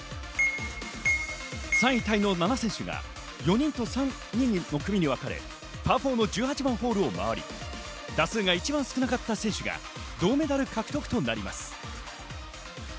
３位タイの７選手が４人と３人の組にわかれ、パー４の１８番ホールを回り、打数が一番少なかった選手が銅メダル獲得となります。